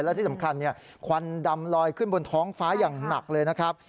และที่สำคัญควันดำลอยขึ้นบนท้องฟ้าอย่างหนักเลยนะครับ